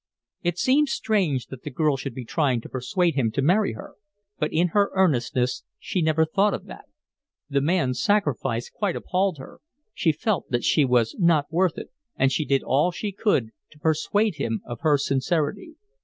It seemed strange that the girl should be trying to persuade him to marry her; but in her earnestness she never thought of that. The man's sacrifice quite appalled her; she felt that she was not worth it, and she did all she could to persuade him of her sincerity.